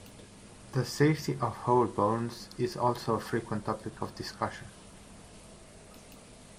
The safety of whole bones is also a frequent topic of discussion.